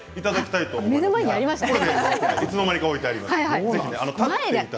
いつの間にか置いてあります。